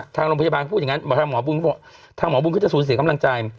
ทางโรงพยาบาลพูดอย่างนั้นหมอทางหมอบุญก็บอกทางหมอบุญก็จะสูญเสียกำลังใจ